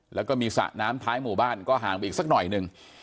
แล้วก็มีสระน้ำท้ายหมู่บ้านก็ห่างไปอีกสักหน่อยหนึ่ง